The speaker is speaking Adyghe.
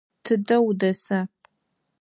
Тыдэ удэса?